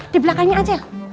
di belakangnya ajel